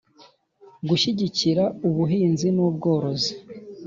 gushyigikira ubuhinzi n'ubworozi